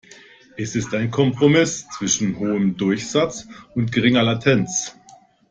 Es ist ein Kompromiss zwischen hohem Durchsatz und geringer Latenz.